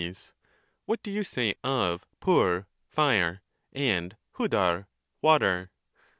What do you say of rcvp (fire) and v6u)p (water)